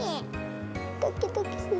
ドキドキする。